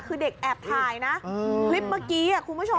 คือเด็กแอบถ่ายนะคลิปเมื่อกี้คุณผู้ชม